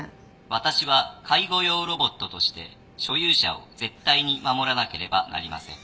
私は介護用ロボットとして所有者を絶対に守らなければなりません。